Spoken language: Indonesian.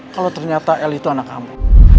kalo ternyata el itu anak kamu